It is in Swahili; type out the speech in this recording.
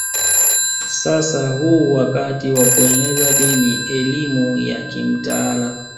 Sasa huu wakati wa kueneza dini elimu ya kimtaala